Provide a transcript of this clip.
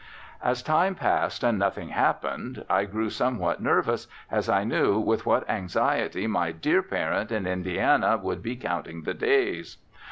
As time passed and nothing happened, I grew somewhat nervous, as I knew with what anxiety my dear parent in Indiana would be counting the days.